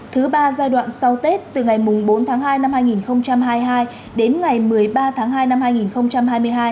thứ ba giai đoạn sau tết từ ngày bốn tháng hai năm hai nghìn hai mươi hai đến ngày một mươi ba tháng hai năm hai nghìn hai mươi hai